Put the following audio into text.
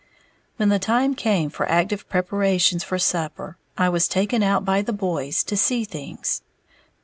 When the time came for active preparations for supper, I was taken out by the boys to "see things."